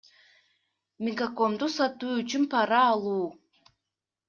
Мегакомду сатуу үчүн пара алуу